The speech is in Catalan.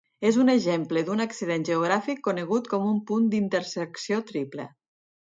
És un exemple d'un accident geogràfic conegut com un punt d'intersecció triple.